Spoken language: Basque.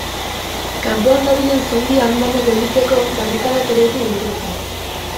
Kanpoan dabilen zonbi andana gelditzeko, barrikadak eraiki dituzte.